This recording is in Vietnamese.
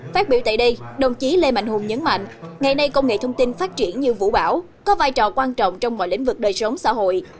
phát biểu tại đây đồng chí lê mạnh hùng nhấn mạnh ngày nay công nghệ thông tin phát triển như vũ bảo có vai trò quan trọng trong mọi lĩnh vực đời sống xã hội